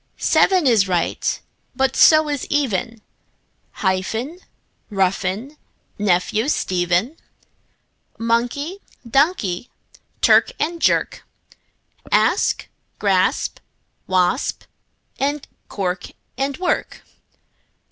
Seven is right, but so is even; Hyphen, roughen, nephew, Stephen; Monkey, donkey; clerk and jerk; Asp, grasp, wasp; and cork and work.